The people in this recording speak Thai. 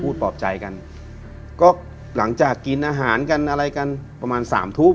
ปลอบใจกันก็หลังจากกินอาหารกันอะไรกันประมาณสามทุ่ม